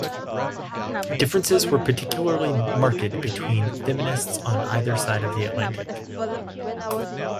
Differences were particularly marked between feminists on either side of the Atlantic.